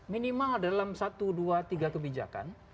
minimal dalam satu dua tiga kebijakan